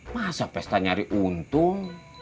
masa pesta nyari untung